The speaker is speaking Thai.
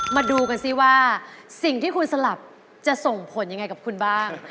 มาดูกันสิว่าสิ่งที่คุณสลับจะส่งผลยังไงกับคุณบ้าง